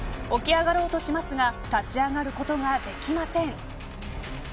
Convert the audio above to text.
起き上がろうとしますが立ち上がることができません。